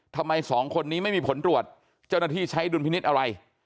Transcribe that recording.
ทำไมสองคนนี้ไม่มีผลตรวจเจ้าหน้าที่ใช้ดุลพินิษฐ์อะไร